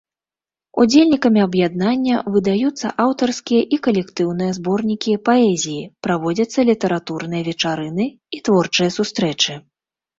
Удзельнікамі аб'яднання выдаюцца аўтарскія і калектыўныя зборнікі паэзіі, праводзяцца літаратурныя вечарыны і творчыя сустрэчы.